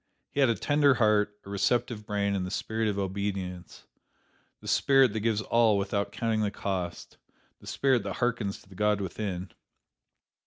He had a tender heart, a receptive brain and the spirit of obedience, the spirit that gives all without counting the cost, the spirit that harkens to the God within.